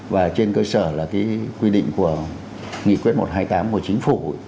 và trên cơ sở là cái quy định của nghị quyết một trăm hai mươi tám của chính phủ